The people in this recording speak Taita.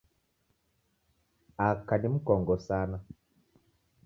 Aka ni mkongo sana.